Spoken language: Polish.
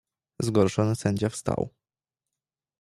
"Zgorszony sędzia wstał."